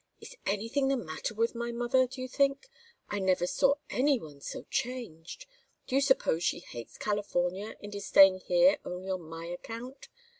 "Is anything the matter with my mother, do you think? I never saw any one so changed. Do you suppose she hates California and is staying here only on my account?